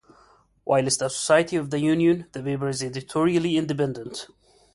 Whilst a society of the Union, the paper is editorially independent.